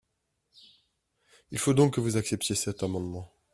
Il faut donc que vous acceptiez cet amendement